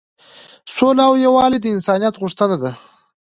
سوله او یووالی د انسانیت غوښتنه ده.